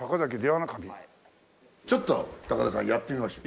ちょっと高田さんやってみましょう。